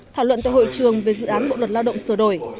thảo luận tại hội trường về dự án bộ luật lao động sửa đổi